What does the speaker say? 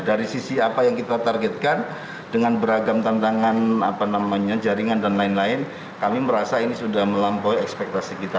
dari sisi apa yang kita targetkan dengan beragam tantangan jaringan dan lain lain kami merasa ini sudah melampaui ekspektasi kita